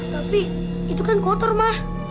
tapi itu kan kotor mah